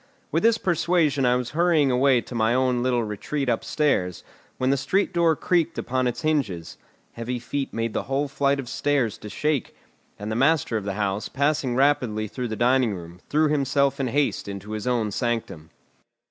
With this persuasion I was hurrying away to my own little retreat upstairs, when the street door creaked upon its hinges; heavy feet made the whole flight of stairs to shake; and the master of the house, passing rapidly through the dining room, threw himself in haste into his own sanctum.